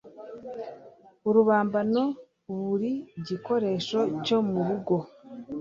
arubumbamo buri gikoresho cyo mu rugo